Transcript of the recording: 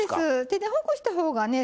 手でほぐしたほうがね